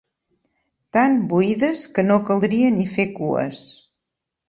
Tan buides que no caldria ni fer cues.